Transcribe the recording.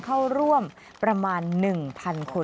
เข้าร่วมประมาณ๑๐๐คน